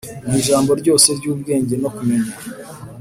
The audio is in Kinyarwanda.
Mu ijambo ryose ry’ubwenge no kumenya